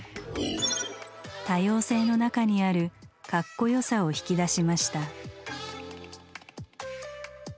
多様性の中にある「カッコよさ」を引き出しました。